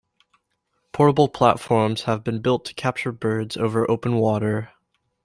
Portable platforms have been built to capture birds over open water.